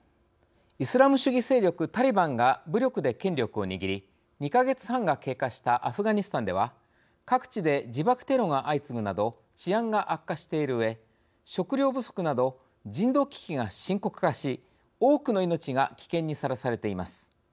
イスラム主義勢力タリバンが武力で権力を握り２か月半が経過したアフガニスタンでは各地で自爆テロが相次ぐなど治安が悪化しているうえ食料不足など人道危機が深刻化し多くの命が危険にさらされています。